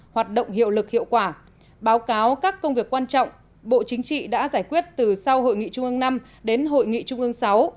hoạt động hiệu lực hiệu quả báo cáo các công việc quan trọng bộ chính trị đã giải quyết từ sau hội nghị trung ương năm đến hội nghị trung ương sáu